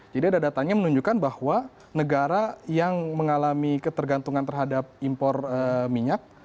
jadi ada datanya menunjukkan bahwa negara yang mengalami ketergantungan terhadap impor minyak